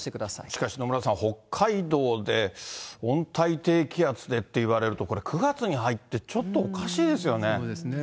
しかし野村さん、北海道で温帯低気圧でって言われると、９月に入って、ちょっとおそうですね。